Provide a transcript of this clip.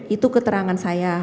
itu keterangan saya